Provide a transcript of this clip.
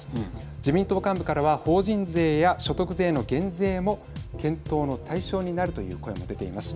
自民党幹部からは法人税や所得税の減税も検討の対象になるという声も出ています。